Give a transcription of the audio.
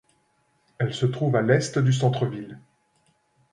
Elle se trouve à l'est du centre-ville.